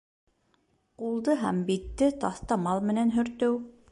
Ҡулды һәм битте таҫтамал менән һөртөү